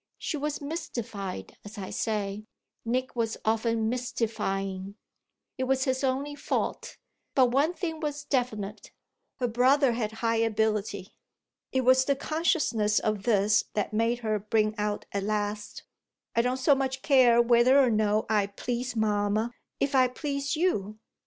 She was mystified, as I say Nick was often mystifying, it was his only fault but one thing was definite: her brother had high ability. It was the consciousness of this that made her bring out at last: "I don't so much care whether or no I please mamma, if I please you."